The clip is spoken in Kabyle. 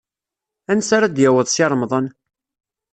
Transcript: Ansa ara d-yaweḍ Si Remḍan?